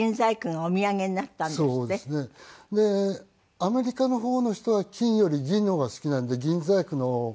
アメリカの方の人は金より銀の方が好きなんで銀細工の。